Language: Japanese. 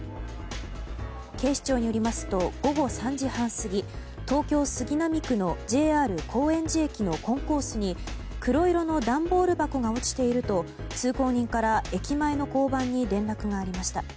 警視庁によりますと午後３時半過ぎ東京・杉並区のＪＲ高円寺駅のコンコースに黒色の段ボール箱が落ちていると通行人から駅前の交番に連絡がありました。